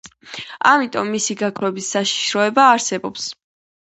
ამიტომ მისი გაქრობის საშიშროება არსებობს.